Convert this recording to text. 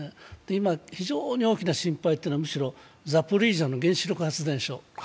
今、非常に大きな心配はザポリージャの原子力発電所。